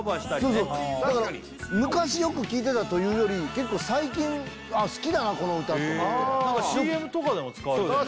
そうそうだから昔よく聴いてたというより結構最近好きだなこの歌って思って何かＣＭとかでも使われたよね